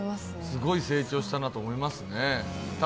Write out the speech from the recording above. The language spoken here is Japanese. すごい成長したなと思いましたね。